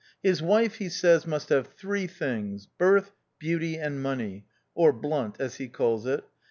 His wife, he says, must have three things — birth, beauty, and money (or blunt, as he calls it).